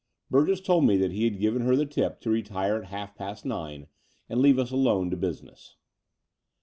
Burgess told me that he had given her the tip to retire at half past nine and leave us alone to busi ness.